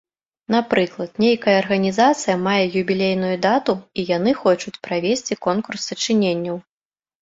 Напрыклад, нейкая арганізацыя мае юбілейную дату і яны хочуць правесці конкурс сачыненняў.